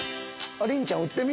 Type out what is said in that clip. りんちゃん打ってみ。